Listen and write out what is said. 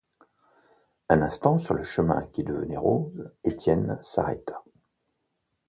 Un instant, sur le chemin qui devenait rose, Étienne s’arrêta.